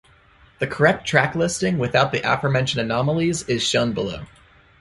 The correct track listing, without the aforementioned anomalies, is shown below.